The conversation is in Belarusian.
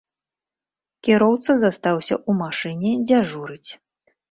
Кіроўца застаўся ў машыне дзяжурыць.